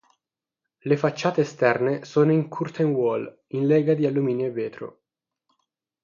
Le facciate esterne sono in "curtain wall" in lega di alluminio e vetro.